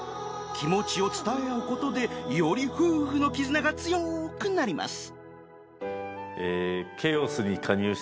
気持ちを伝え合う事でより夫婦の絆が強くなります